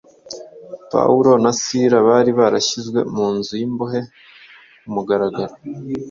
Pawulo na Sila bari barashyizwe mu nzu y’imbohe ku mugaragaro,